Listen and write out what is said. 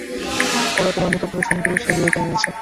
ওরা তোমার মতো করে সুন্দরীর ছবি এঁকে এনেছে।